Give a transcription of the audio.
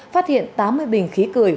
phát hiện tám mươi bình khí cười